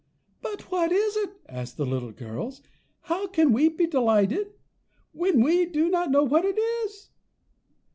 "But what is it?" asked the little girls; "how can we be delighted, when we do not know what it is?"